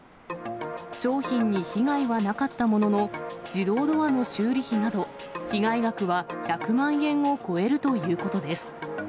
商品に被害はなかったものの、自動ドアの修理費など、被害額は１００万円を超えるということです。